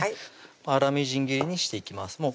粗みじん切りにしていきます